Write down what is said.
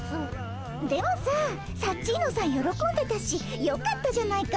でもさサッチーノさん喜んでたしよかったじゃないか。